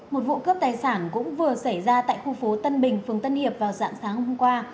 một vụ cướp tài sản cũng vừa xảy ra tại khu phố tân bình phường tân hiệp vào dạng sáng hôm qua